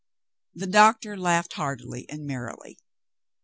The doctor laughed heartily and merrily.